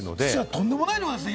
とんでもない数ですね。